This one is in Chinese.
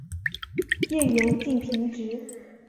叶缘近平直。